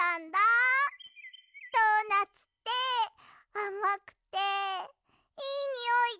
ドーナツってあまくていいにおいで。